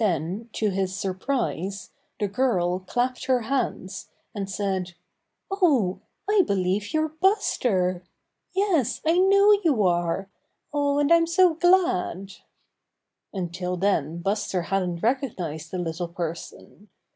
Then to his surprise the girl clapped her hands, and said: ''Oh, I believe you're Buster! Yes, I know you are! And I'm so glad!" Until then Buster hadn't recognized the little person.